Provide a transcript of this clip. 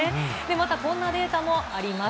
またこんなデータもあります。